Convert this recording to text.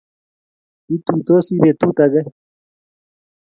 Kituitosi petut age.